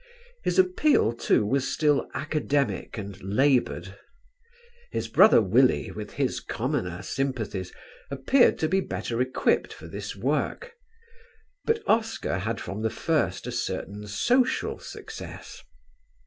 His appeal, too, was still academic and laboured. His brother Willie with his commoner sympathies appeared to be better equipped for this work. But Oscar had from the first a certain social success.